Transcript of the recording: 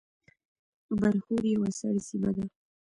برښور یوه سړه سیمه ده